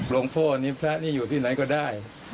ลองภอด์นี้พระนี้อยู่ที่ไหนก็ได้